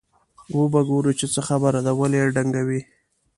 وبه ګورو چې څه خبره ده ولې یې ډنګوي.